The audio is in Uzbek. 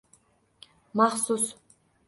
Maxsus